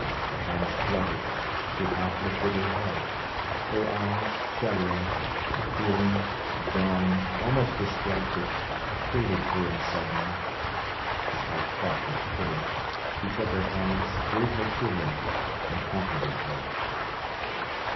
Her hands fluttered; she half lifted her head. Her eyes, shuddering, appealing, gone, almost distracted, pleaded to him suddenly. His heart caught with pity. He took her hands, drew her to him, and comforted her.